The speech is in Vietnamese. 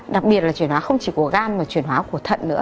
đặc biệt là chuyển hóa không chỉ của gan mà chuyển hóa của thận nữa